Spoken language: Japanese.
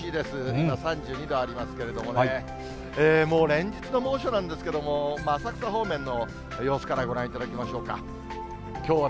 今３２度ありますけどね、もう連日の猛暑なんですけれども、浅草方面の様子からご覧いただきましょうか。